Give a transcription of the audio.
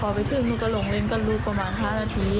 พอไปถึงหนูก็ลงเล่นกับลูกประมาณ๕นาที